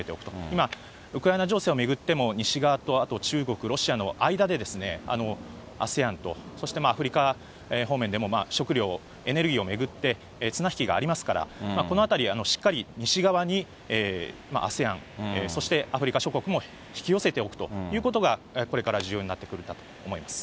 今、ウクライナ情勢を巡っても、西側とあと中国、ロシアの間でＡＳＥＡＮと、そしてアフリカ方面でも食料、エネルギーを巡って綱引きがありますから、このあたり、しっかり西側にＡＳＥＡＮ、そしてアフリカ諸国も引き寄せておくということがこれから重要になってくるんだと思います。